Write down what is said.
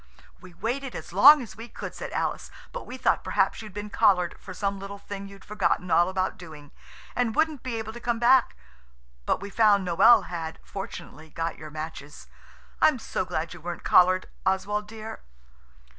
"We waited as long as we could," said Alice, "but we thought perhaps you'd been collared for some little thing you'd forgotten all about doing, and wouldn't be able to come back, but we found Noël had, fortunately, got your matches. I'm so glad you weren't collared, Oswald dear."